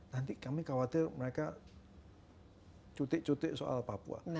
nanti kami khawatir mereka cutik cutik soal papua